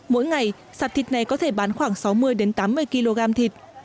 mỗi ngày sạp thịt này có thể bán khoảng sáu mươi đến tám mươi kg thịt